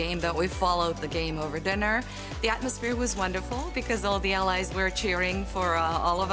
kami telah menonton permainan dan menikmati permainan pada malam